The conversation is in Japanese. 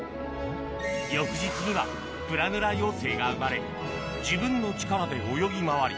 翌日にはプラヌラ幼生が生まれ自分の力で泳ぎ回り